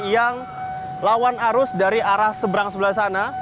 yang lawan arus dari arah seberang sebelah sana